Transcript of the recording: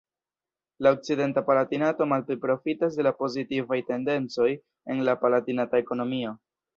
La okcidenta Palatinato malpli profitas de la pozitivaj tendencoj en la Palatinata ekonomio.